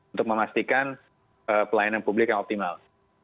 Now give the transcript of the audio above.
untuk memastikan pelayanan publik yang optimal